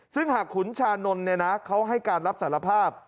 ซึ่งหากขุนชานนท์เขาให้การรับสารภาพ